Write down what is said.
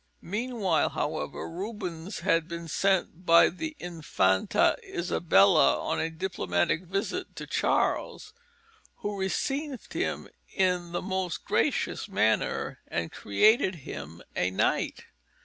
Meanwhile, however, Rubens had been sent by the Infanta Isabella on a diplomatic visit to Charles, who received him in the most gracious manner and created him a knight.